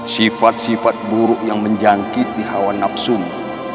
sifat sifat buruk yang menjangkiti hawa nafsumu